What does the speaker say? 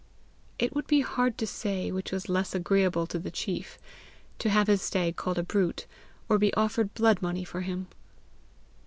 It would be hard to say which was less agreeable to the chief to have his stag called a brute, or be offered blood money for him.